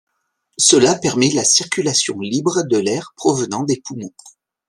Cela permet la circulation libre de l'air provenant des poumons.